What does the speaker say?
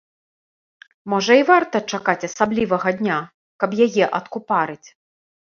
Можа і варта чакаць асаблівага дня, каб яе адкупарыць?